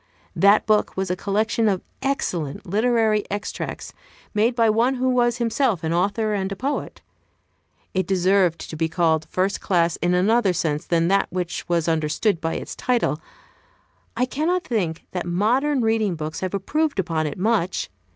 That book was a collection of excellent literary extracts, made by one who was himself an author and a poet. It deserved to be called "first class" in another sense than that which was understood by its title. I cannot think that modern reading books have improved upon it much.